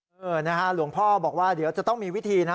นะฮะหลวงพ่อบอกว่าเดี๋ยวจะต้องมีวิธีนะ